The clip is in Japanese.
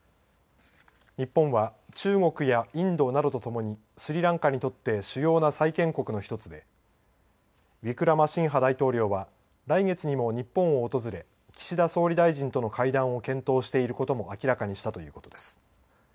日本は中国やインドなどとともにスリランカにとって主要な債権国の１つでウィクラマシンハ大統領は来月にも日本を訪れ岸田総理大臣との会談を検討していることも明らかにしたということです。